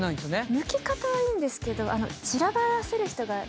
むき方はいいんですけど。